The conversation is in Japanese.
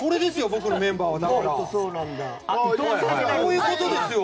僕のメンバーは。